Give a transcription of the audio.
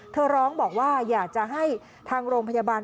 ร้องบอกว่าอยากจะให้ทางโรงพยาบาล